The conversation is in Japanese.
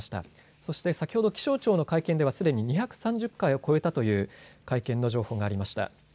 そして先ほど気象庁の会見ではすでに２３０回を超えたという会見の情報がありました。